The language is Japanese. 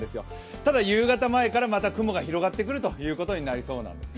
ただ夕方前からまた雲が広がってくることになりそうなんです。